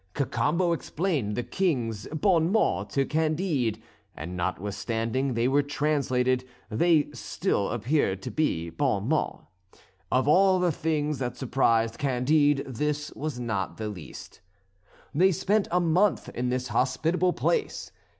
Cacambo explained the King's bon mots to Candide, and notwithstanding they were translated they still appeared to be bon mots. Of all the things that surprised Candide this was not the least. They spent a month in this hospitable place.